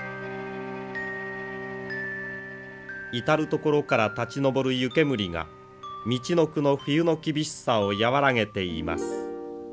至る所から立ち上る湯煙がみちのくの冬の厳しさを和らげています。